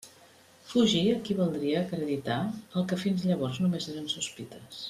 Fugir equivaldria a acreditar el que fins llavors només eren sospites.